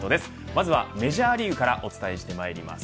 まずはメジャーリーグからお伝えしてまいります。